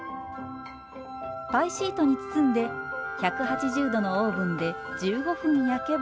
パイシートに包んで１８０℃のオーブンで１５分焼けば。